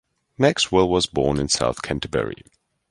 Maxwell was born in South Canterbury.